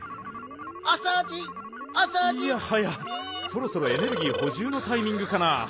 そろそろエネルギーほじゅうのタイミングかな？